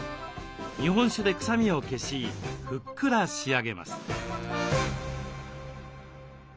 日本酒で臭みを消しふっくら仕上げます。